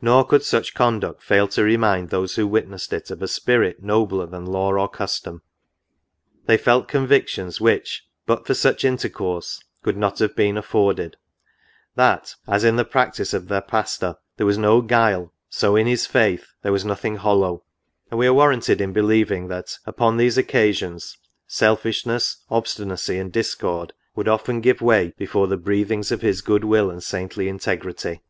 Nor could such conduct fail to remind those who witnessed it of a spirit nobler than law or custom ; they felt convictions which, but for such intercourse, could not have been afforded, that, as in the practice of their pastor, there was no guile, so in his faith there was nothing hollow ; and we are warranted in believing that, upon these occasions, selfishness, obstinacy, and discord would often give way before the breathings of his good will and saintly integrity.